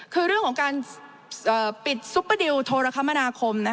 คือเรื่องของการปิดซุปเปอร์ดิลโทรคมนาคม